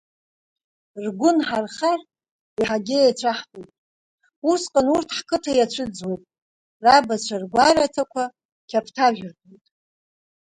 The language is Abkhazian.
Ргәы нҳархар, еиҳагьы еицәаҳтәуеит, усҟан урҭ ҳқыҭа иацәыӡуеит, рабацәа ргәараҭакәа қьаԥҭажәртәуеит.